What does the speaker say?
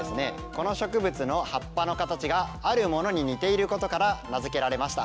この植物の葉っぱの形があるものに似ていることから名付けられました。